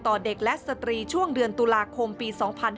เด็กและสตรีช่วงเดือนตุลาคมปี๒๕๕๙